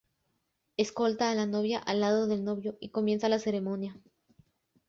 Escolta a la novia al lado del novio y comienza la ceremonia.